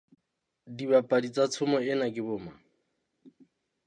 Dibapadi tsa tshomo ena ke bo mang?